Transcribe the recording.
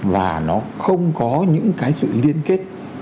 và nó không có những cái sự liên kết